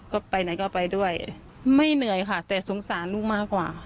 ก็ไปไหนก็ไปด้วยไม่เหนื่อยค่ะแต่สงสารลูกมากกว่า